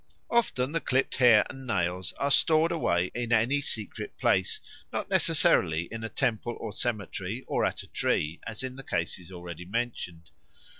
Often the clipped hair and nails are stowed away in any secret place, not necessarily in a temple or cemetery or at a tree, as in the cases already mentioned.